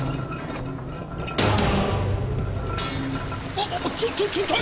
あっちょっとちょっと！